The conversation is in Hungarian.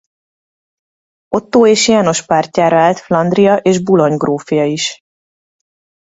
Ottó és János pártjára állt Flandria és Boulogne grófja is.